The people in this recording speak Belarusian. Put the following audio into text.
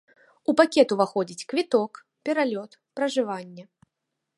У пакет уваходзіць квіток, пералёт, пражыванне.